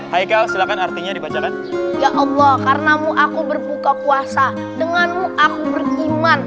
hai kau silakan artinya dibacakan ya allah karnamu aku berbuka kuasa denganmu aku beriman